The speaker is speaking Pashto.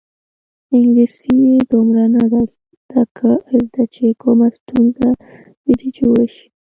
انګلیسي یې دومره نه ده زده چې کومه ستونزه ځنې جوړه شي.